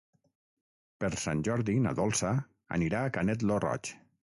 Per Sant Jordi na Dolça anirà a Canet lo Roig.